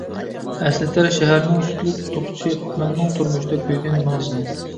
ئەسلىتەر شەھەرنىڭ سۈتلۈك توقىچى، ئانامنىڭ تۇرمۇشتا كۆيگەن مەڭزىنى.